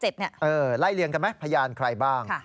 ไล่เลี่ยงกันไหมพยานใครบ้าง